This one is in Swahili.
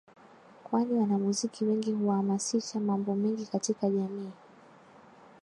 kwani wanamuziki wengi huamasisha mambo mengi katika jamii